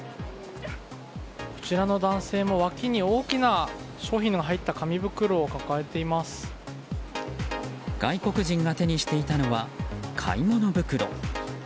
こちらの男性も脇に大きな商品が入った外国人が手にしていたのは買い物袋。